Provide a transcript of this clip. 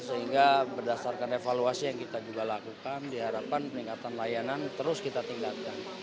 sehingga berdasarkan evaluasi yang kita juga lakukan diharapkan peningkatan layanan terus kita tingkatkan